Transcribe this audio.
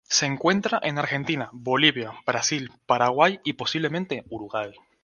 Se encuentra en Argentina, Bolivia, Brasil, Paraguay y, posiblemente, Uruguay.